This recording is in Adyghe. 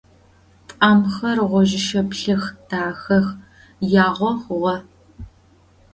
Тӏамхэр гъожьы-шэплъ дахэх, ягъо хъугъэ.